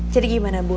jadi gimana bu